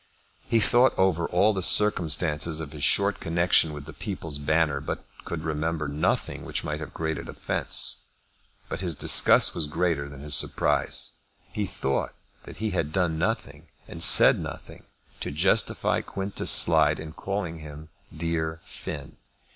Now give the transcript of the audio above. He thought over all the circumstances of his short connection with the People's Banner, but could remember nothing which might have created offence. But his disgust was greater than his surprise. He thought that he had done nothing and said nothing to justify Quintus Slide in calling him "dear Finn."